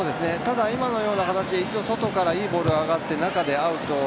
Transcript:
今のような形で一度、外からボールが上がって中でアウトを。